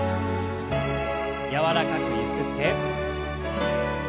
柔らかくゆすって。